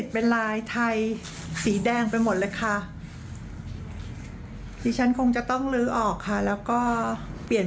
เปลี่ยนเป็นสีขาวให้เหมือนเดิม